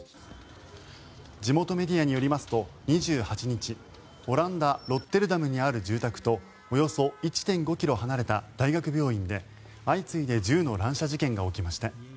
地元メディアによりますと２８日オランダ・ロッテルダムにある住宅とおよそ１．５ｋｍ離れた大学病院で相次いで銃の乱射事件が起きました。